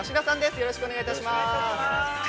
◆よろしくお願いします。